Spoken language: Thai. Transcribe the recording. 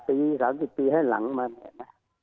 ๒๘ปี๓๐ปีให้หลังมา